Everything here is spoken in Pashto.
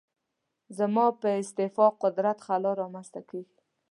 زما په استعفا قدرت خلا رامنځته کېږي.